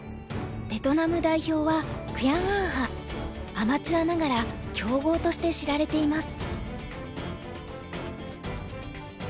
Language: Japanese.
アマチュアながら強豪として知られています。